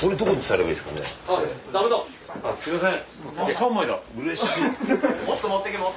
すいません！